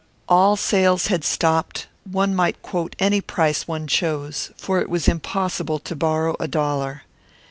All sales had stopped; one might quote any price one chose, for it was impossible to borrow a dollar.